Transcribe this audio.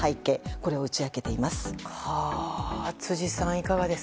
これを打ち明けています。